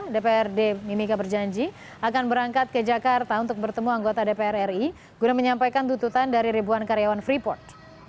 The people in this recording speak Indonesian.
dprd mimika berjanji akan berangkat ke jakarta untuk bertemu anggota dpr ri guna menyampaikan tututan dari ribuan karyawan freeport